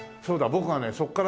僕がねそこからね。